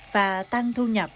và tăng thu nhập